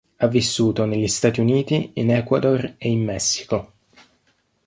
Ha vissuto negli Stati Uniti, in Ecuador e in Messico.